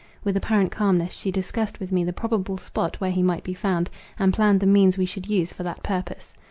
With apparent calmness she discussed with me the probable spot where he might be found, and planned the means we should use for that purpose.